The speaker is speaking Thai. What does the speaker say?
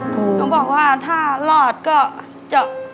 เขาบอกว่าถ้ารอดก็จะ